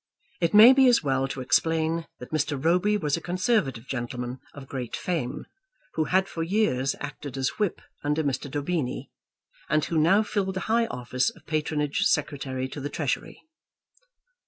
It may be as well to explain that Mr. Roby was a Conservative gentleman of great fame who had for years acted as Whip under Mr. Daubeny, and who now filled the high office of Patronage Secretary to the Treasury.